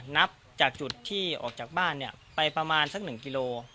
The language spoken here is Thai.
นับจากจุดที่ออกจากบ้านเนี้ยไปประมาณสักหนึ่งกิโล